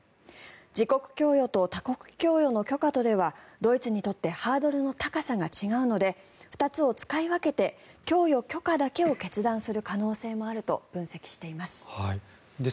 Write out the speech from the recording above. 自国供与と他国供与の許可とではドイツにとってハードルの高さが違うので２つを使い分けて供与許可だけを決断する可能性もあると分析しています。